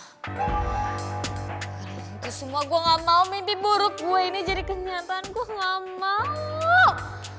gagalin itu semua gue gak mau mimpi buruk gue ini jadi kenyataan gue gak mau